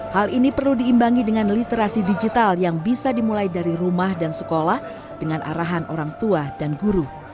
hal ini perlu diimbangi dengan literasi digital yang bisa dimulai dari rumah dan sekolah dengan arahan orang tua dan guru